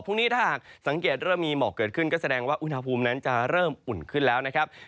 พรุ่งนี้ถ้าหากสังเกตเริ่มมีหมอกเกิดขึ้นก็แสดงว่าอุณหภูมินั้นจะเริ่มอุ่นขึ้นแล้วนะครับ